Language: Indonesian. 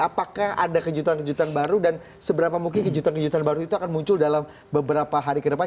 apakah ada kejutan kejutan baru dan seberapa mungkin kejutan kejutan baru itu akan muncul dalam beberapa hari ke depan